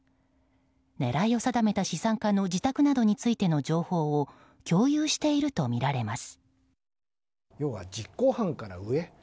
狙いを定めた資産家の自宅などについての情報を共有しているとみられます。